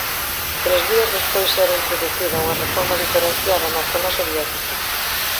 Tres días despois era introducida unha reforma diferenciada na zona soviética.